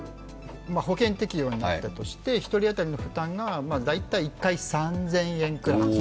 保険適用になったとして１人当たりの負担がだいたい１回３０００円くらい。